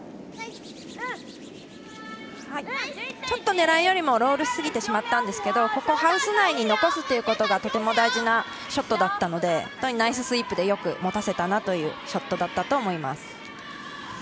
ちょっと狙いよりもロールしすぎてしまったんですがハウス内に残すということがとても大事なショットだったので本当にナイススイープでよくもたせたなというショットだったと思います。